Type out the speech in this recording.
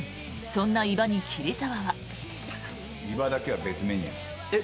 そんな伊庭に桐沢は。え！？